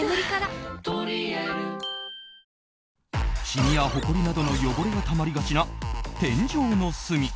シミやほこりなどがたまりがちな天井の隅。